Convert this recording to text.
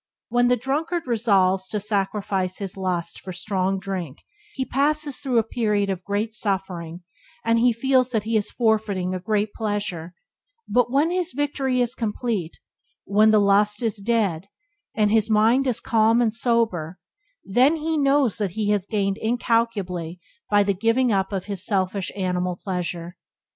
When the drunkard resolves to sacrifice his lust for strong drink he passes through a period of great suffering, and he feels that he is forfeiting a great pleasure; but when his victory is complete, when the lust is dead, and his mind is calm and sober, then he knows that he has gained incalculably by the giving up of his selfish animal pleasure.